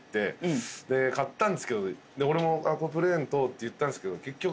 で買ったんですけど俺も「プレーンと」って言ったんすけど結局。